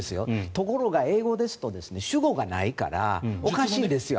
ところが、英語ですと主語がないからおかしいんですよ。